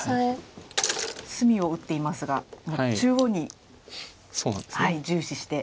隅を打っていますが中央に重視して。